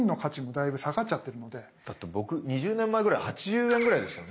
だって僕２０年前ぐらい８０円ぐらいですよね。